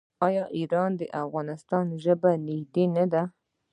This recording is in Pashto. آیا د ایران او افغانستان ژبه نږدې نه ده؟